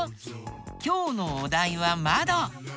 きょうのおだいは「まど」。